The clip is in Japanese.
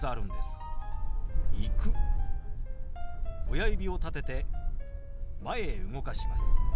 親指を立てて前へ動かします。